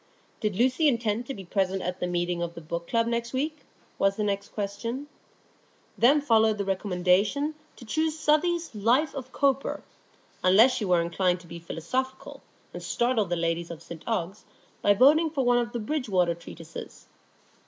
Did Lucy intend to be present at the meeting of the Book Club next week? was the next question. Then followed the recommendation to choose Southey's "Life of Cowper," unless she were inclined to be philosophical, and startle the ladies of St Ogg's by voting for one of the Bridgewater Treatises.